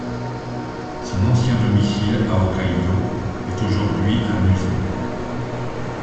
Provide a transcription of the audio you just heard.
Son ancien domicile à Hokkaidō est aujourd'hui un musée.